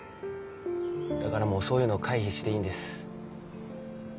だからもうそういうの回避していいんです。